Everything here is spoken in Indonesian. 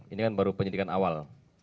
ini kan baru penyidikan awal